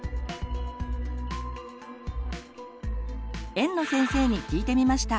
園の先生に聞いてみました。